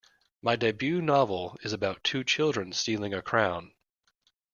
My debut novel is about two children stealing a crown.